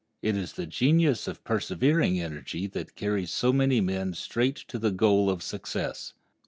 It is the genius of persevering energy that carries so many men straight to the goal of success.